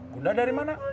bunda dari mana